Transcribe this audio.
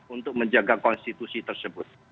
untuk menjaga konstitusi tersebut